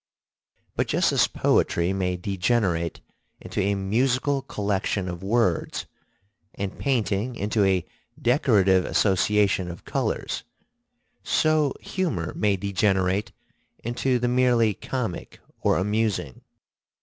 But just as poetry may degenerate into a musical collection of words and painting into a decorative association of colors, so humor may degenerate into the merely comic or amusing.